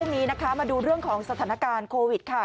ช่วงนี้นะคะมาดูเรื่องของสถานการณ์โควิดค่ะ